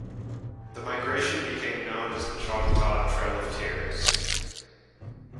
The migration became known as the Choctaw Trail of Tears.